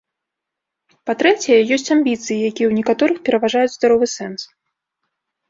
Па-трэцяе, ёсць амбіцыі, якія ў некаторых пераважваюць здаровы сэнс.